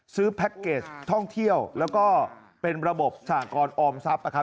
แพ็คเกจท่องเที่ยวแล้วก็เป็นระบบสหกรออมทรัพย์นะครับ